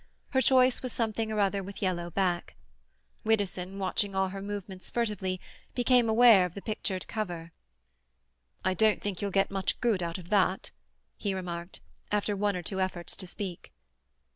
Her choice was something or other with yellow back. Widdowson, watching all her movements furtively, became aware of the pictured cover. "I don't think you'll get much good out of that," he remarked, after one or two efforts to speak.